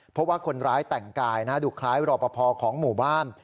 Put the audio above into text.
เพราะว่าคนร้ายแต่งกายนะดูคล้ายรอปภของหมู่บ้าน